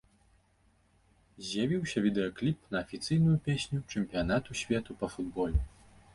З'явіўся відэакліп на афіцыйную песню чэмпіянату свету па футболе.